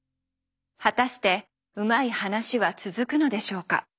果たしてうまい話は続くのでしょうか。